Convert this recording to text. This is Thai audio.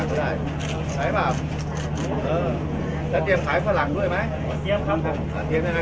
เมืองอัศวินธรรมดาคือสถานที่สุดท้ายของเมืองอัศวินธรรมดา